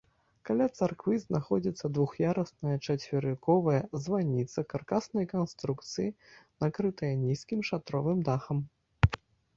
Каля царквы знаходзіцца двух'ярусная чацверыковая званіца каркаснай канструкцыі, накрытая нізкім шатровым дахам.